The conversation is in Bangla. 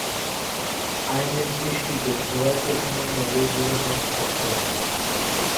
আইনের দৃষ্টিতে সবাইকে সমানভাবে বিবেচনা করতে হবে।